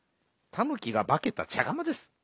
たぬきがばけたちゃがまです。